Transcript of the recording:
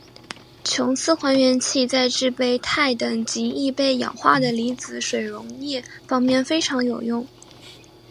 琼斯还原器在制备钛等极易被氧化的离子水溶液方面非常有用。